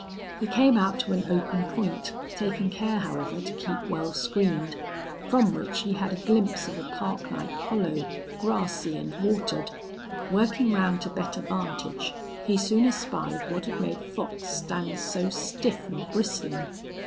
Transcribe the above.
He came out to an open point, taking care, however, to keep well screened, from which he had a glimpse of a parklike hollow, grassy and watered. Working round to better vantage, he soon espied what had made Fox stand so stiff and bristling.